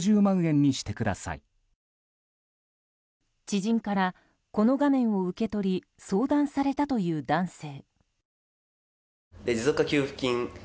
知人から、この画面を受け取り相談されたという男性。